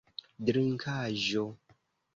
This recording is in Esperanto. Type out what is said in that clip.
drinkaĵo